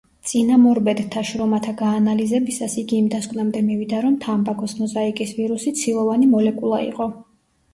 წინამორბედთა შრომათა გაანალიზებისას იგი იმ დასკვნამდე მივიდა, რომ თამბაქოს მოზაიკის ვირუსი ცილოვანი მოლეკულა იყო.